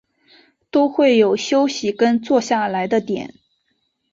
都会有休息跟坐下来的点